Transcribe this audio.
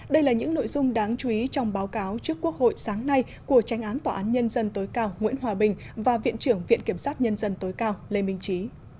đây là những nội dung đáng chú ý trong báo cáo trước quốc hội sáng nay của tranh án tòa án nhân dân tối cao nguyễn hòa bình và viện trưởng viện kiểm sát nhân dân tối cao lê minh trí